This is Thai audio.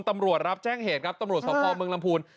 ตำรวจรับแจ้งเหตุครับตำรวจสภเมืองลำพูน